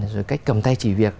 rồi cách cầm tay chỉ việc